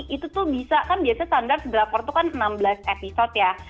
itu tuh bisa kan biasanya standar seberator itu kan enam belas episode ya